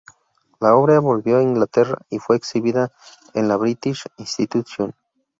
La obra volvió a Inglaterra y fue exhibida en la British Institution.